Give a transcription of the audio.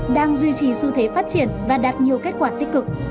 đang duy trì xu thế phát triển và đạt nhiều kết quả tích cực